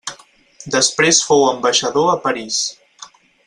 Després fou ambaixador a París.